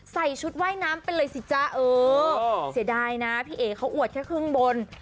ใส่ชุดว่ายน้ำไปเลยสิจ๊ะเออเสียดายนะพี่เอ๋เขาอวดแค่ครึ่งบน